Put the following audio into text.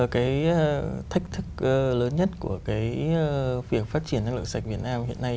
cái thách thức lớn nhất của cái việc phát triển năng lượng sạch việt nam hiện nay